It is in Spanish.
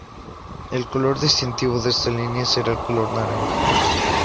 El color distintivo de esta línea será el color naranja.